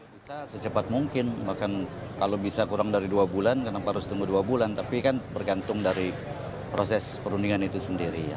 bisa secepat mungkin bahkan kalau bisa kurang dari dua bulan kenapa harus tunggu dua bulan tapi kan bergantung dari proses perundingan itu sendiri